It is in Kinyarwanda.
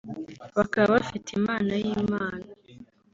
bakaba bafite impano y'Imana